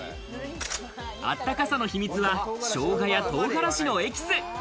あったかさの秘密は生姜や唐辛子のエキス。